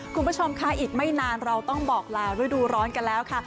คุณผู้ชมค่ะอีกไม่นานเราต้องบอกลาฤดูร้อนกันแล้วค่ะ